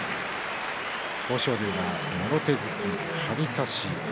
豊昇龍がもろ手突き、張り差し。